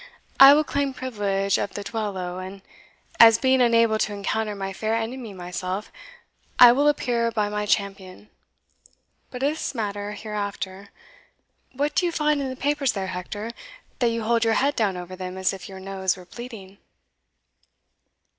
I will claim privilege of the duello, and, as being unable to encounter my fair enemy myself, I will appear by my champion But of this matter hereafter. What do you find in the papers there, Hector, that you hold your head down over them as if your nose were bleeding?"